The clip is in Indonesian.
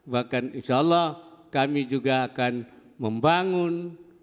bahkan insyaallah kami juga akan membangun